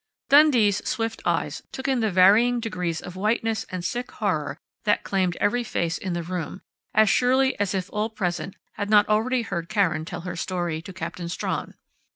Dundee's swift eyes took in the varying degrees of whiteness and sick horror that claimed every face in the room as surely as if all present had not already heard Karen tell her story to Captain Strawn.